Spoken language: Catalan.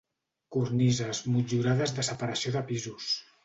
Cornises motllurades de separació de pisos.